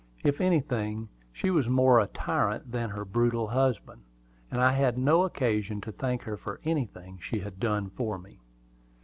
If anything, she was more of a tyrant than her brutal husband, and I had no occasion to thank her for anything she had done for me.